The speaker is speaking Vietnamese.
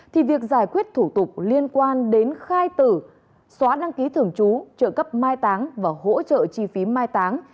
thì việc giải quyết thủ tục liên quan đến khai tử xóa đăng ký thường trú trợ cấp mai táng và hỗ trợ chi phí mai táng